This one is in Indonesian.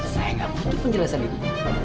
saya gak butuh penjelasan ibu